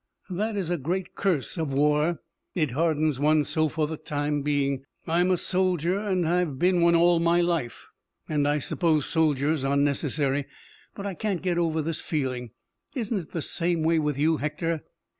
That is a great curse of war. It hardens one so for the time being. I'm a soldier, and I've been one all my life, and I suppose soldiers are necessary, but I can't get over this feeling. Isn't it the same way with you, Hector?"